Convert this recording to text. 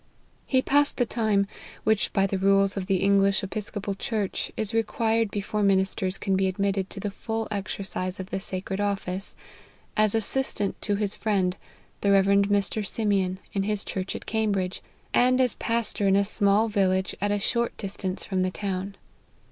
He passed the time, which, by the rules of the English Episcopal church, is required before min isters can be admitted to the full exercise of the sacred office, as assistant to his friend, the Rev Mr. Simeon, in his church at Cambridge, and as pastor in a small village at a short distance from the town.